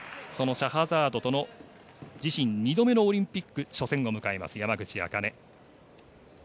シャハザードとの自身２度目のオリンピック初戦を迎えます山口茜。